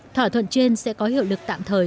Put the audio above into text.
thỏa thuận trên sẽ có hiệu lực tạm thời